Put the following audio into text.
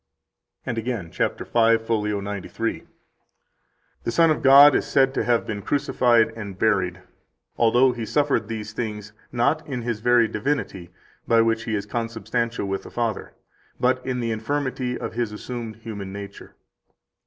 11 And again (cap. 5, fol 93): "The Son of God is said to have been crucified and buried, although He suffered these things not in His very divinity, by which He is consubstantial with the Father, but in the infirmity of [His assumed] human nature."